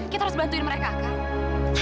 kita harus bantuin mereka kan